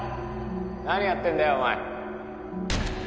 何やってんだよお前